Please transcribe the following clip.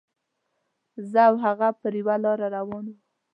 زه او هغه په یوه لاره روان وو.